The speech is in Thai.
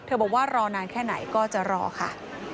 บอกว่ารอนานแค่ไหนก็จะรอค่ะ